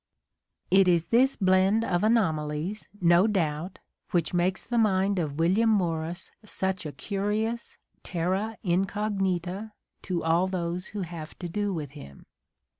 It is this blend of anomalies, no doubt, which makes the mind of William Morris such a curious terra incognita to all those who have to do with him.